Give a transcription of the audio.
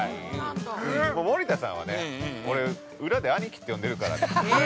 森田さんはね、俺、裏でアニキって呼んでるからって。